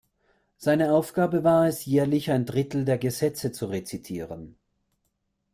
Seine Aufgabe war es, jährlich ein Drittel der Gesetze zu rezitieren.